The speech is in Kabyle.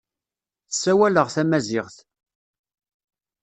Ssawaleɣ tamaziɣt.